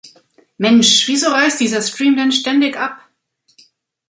Mensch, wieso reißt dieser Stream denn ständig ab?